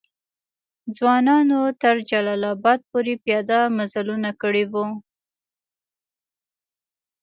ځوانانو تر جلال آباد پوري پیاده مزلونه کړي وو.